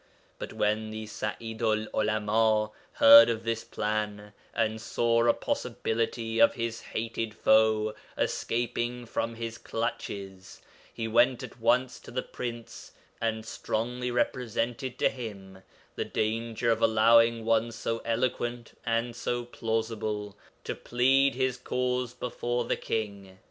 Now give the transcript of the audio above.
But when the Sa'idu'l 'Ulama heard of this plan, and saw a possibility of his hated foe escaping from his clutches, he went at once to the Prince, and strongly represented to him the danger of allowing one so eloquent and so plausible to plead his cause before the King.